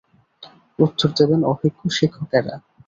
উত্তর দেবেন অভিজ্ঞ শিক্ষকেরা।